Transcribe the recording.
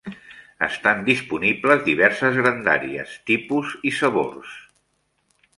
Estan disponibles diverses grandàries, tipus i sabors.